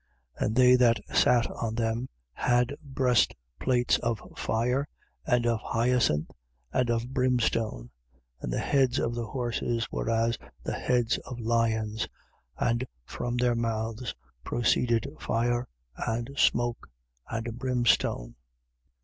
And they that sat on them had breastplates of fire and of hyacinth and of brimstone. And the heads of the horses were as the heads of lions: and from their mouths proceeded fire and smoke and brimstone.